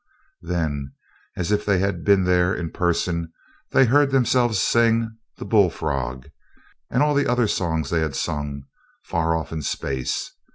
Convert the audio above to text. Then, as if they had been there in person, they heard themselves sing "The Bull Frog" and all the other songs they had sung, far off in space.